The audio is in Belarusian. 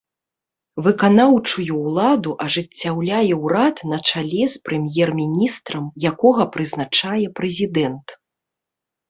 Выканаўчую ўладу ажыццяўляе ўрад на чале з прэм'ер-міністрам, якога прызначае прэзідэнт.